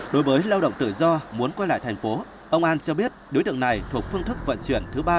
đối với lao động tự do muốn quay lại thành phố ông an cho biết đối tượng này thuộc phương thức vận chuyển thứ ba